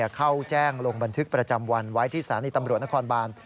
เข้าแจ้งลงบันทึกประจำวันไว้ที่สถานีตำรวจนครบาน